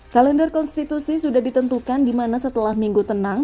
kalender konstitusi sudah ditentukan di mana setelah minggu tenang